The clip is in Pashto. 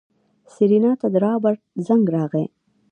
سېرېنا ته د رابرټ زنګ راغی.